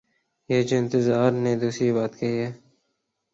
یہ جو انتظار نے دوسری بات کی ہے۔